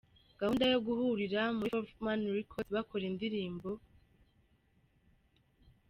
gahunda yo guhurira muri ‘Fourth Man Records’ bakora indirimbo iyi ndirimbo